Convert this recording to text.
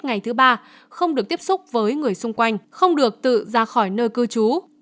ngày thứ ba không được tiếp xúc với người xung quanh không được tự ra khỏi nơi cư trú